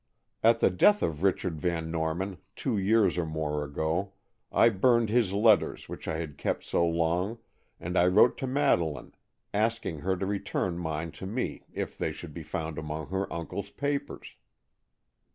At the death of Richard Van Norman, two years or more ago, I burned his letters which I had kept so long, and I wrote to Madeleine, asking her to return mine to me if they should be found among her uncle's papers."